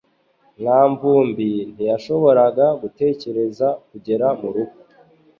mwanvumbi ntiyashoboraga gutegereza kugera murugo